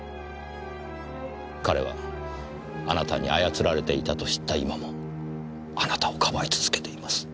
彼はあなたに操られていたと知った今もあなたをかばい続けています。